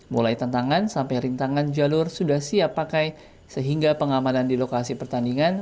mulai tantangan sampai rintangan jalur sudah siap pakai sehingga pengamanan di lokasi pertandingan